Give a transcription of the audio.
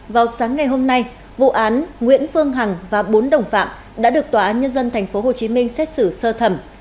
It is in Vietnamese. vào sáng ngày hôm nay vụ án nguyễn phương hằng và bốn đồng phạm đã được tòa án nhân dân tp hcm xét xử sơ thẩm